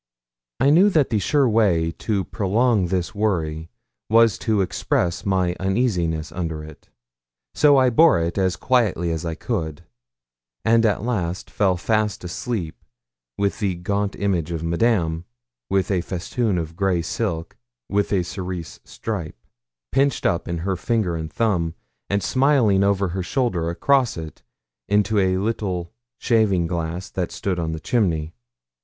I knew that the sure way to prolong this worry was to express my uneasiness under it, so I bore it as quietly as I could; and at last fell fast asleep with the gaunt image of Madame, with a festoon of grey silk with a cerise stripe, pinched up in her finger and thumb, and smiling over her shoulder across it into the little shaving glass that stood on the chimney.